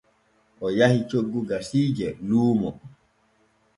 O yahi coggu gasiije luumo.